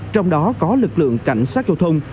trong đó có lực lượng cảnh sát giao thông